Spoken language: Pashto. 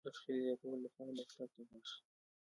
د ټوخي د زیاتوالي لپاره ډاکټر ته لاړ شئ